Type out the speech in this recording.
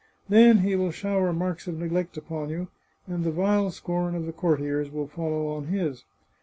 Then he will shower marks of neglect upon you, and the vile scorn of the courtiers will follow on his.